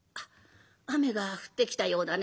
「雨が降ってきたようだね。